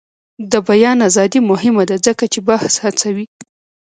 د بیان ازادي مهمه ده ځکه چې بحث هڅوي.